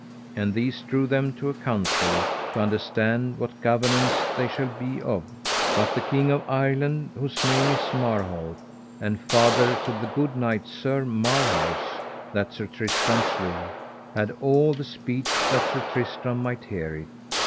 And these draw them to a council, to understand what governance they shall be of; but the King of Ireland, whose name was Marhalt, and father to the good knight Sir Marhaus that Sir Tristram slew, had all the speech that Sir Tristram might hear it.